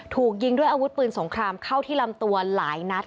ถูกยิงด้วยอาวุธปืนสงครามเข้าที่ลำตัวหลายนัด